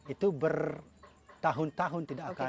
itu bertahun tahun tidak akan